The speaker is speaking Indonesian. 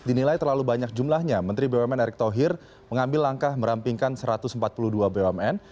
dinilai terlalu banyak jumlahnya menteri bumn erick thohir mengambil langkah merampingkan satu ratus empat puluh dua bumn